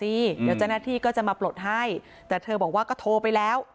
เดี๋ยวเจ้าหน้าที่ก็จะมาปลดให้แต่เธอบอกว่าก็โทรไปแล้ว